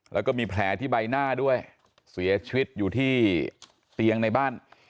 แล้วก็มีแผลที่ใบหน้าด้วยเสียชีวิตอยู่ที่เตียงในบ้าน